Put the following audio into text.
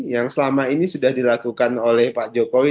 yang selama ini sudah dilakukan oleh pak jokowi